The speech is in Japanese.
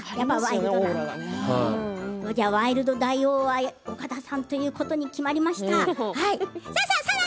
ワイルド大王は岡田さんということに決まりました。